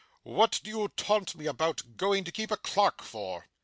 'What do you taunt me about going to keep a clerk for?